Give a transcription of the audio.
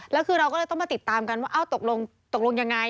แล้วคือเราก็เลยต้องมาติดตามกันว่าตกลงยังไง